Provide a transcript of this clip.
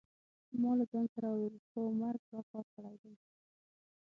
ما له ځان سره وویل: هو مرګ دا کار کړی دی.